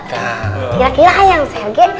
kira kira ayang serge